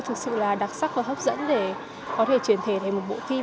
thực sự là đặc sắc và hấp dẫn để có thể truyền thể thành một bộ phim